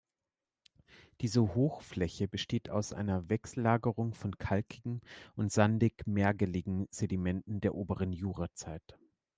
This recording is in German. Diese Hochfläche besteht aus einer Wechsellagerung von kalkigen und sandig-mergeligen Sedimenten der oberen Jurazeit.